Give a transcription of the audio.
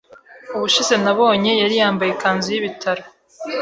Ubushize nabonye yari yambaye ikanzu y'ibitaro.